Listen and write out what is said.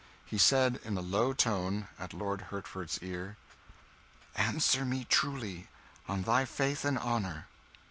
He said, in a low tone, at Lord Hertford's ear "Answer me truly, on thy faith and honour!